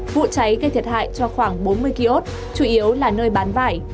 vụ cháy gây thiệt hại cho khoảng bốn mươi kiosk chủ yếu là nơi bán vải